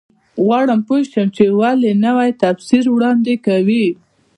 غواړم پوه شم چې ولې نوی تفسیر وړاندې کوي.